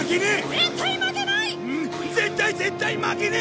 絶対絶対負けねえ！